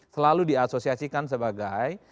selalu diasosiasikan sebagai